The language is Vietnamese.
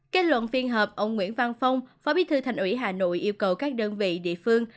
kết luận phiên họp ông nguyễn văn phong phó bí thư thành ủy hà nội yêu cầu các đơn vị địa phương